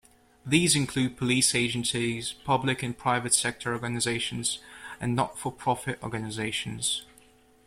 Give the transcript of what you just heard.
These include police agencies, public and private sector organisations and not-for-profit organisations.